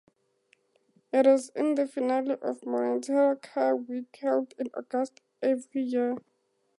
It is the finale of Monterey Car Week held in August every year.